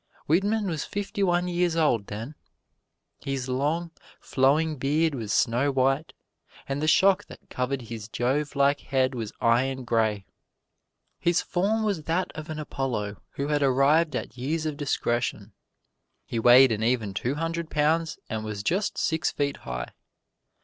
Whitman was fifty one years old then. His long, flowing beard was snow white, and the shock that covered his Jove like head was iron gray. His form was that of an Apollo who had arrived at years of discretion. He weighed an even two hundred pounds and was just six feet high.